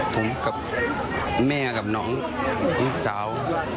ผมกับแม่กับน้องลูกสาว